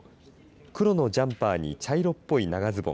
黒のジャンパーに茶色っぽい長ズボン